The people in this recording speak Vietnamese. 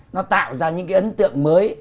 nó tạo ra những cái ấn tượng mới